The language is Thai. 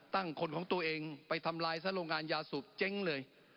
คนของตัวเองไปทำลายซะโรงงานยาสูบเจ๊งเลย